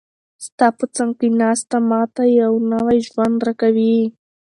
ستا په څنګ کې ناسته، ما ته یو نوی ژوند راکوي.